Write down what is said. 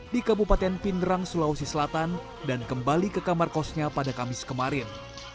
di kabupaten pindrang sulawesi selatan dan kembali ke kamar kosnya pada kamis kemarin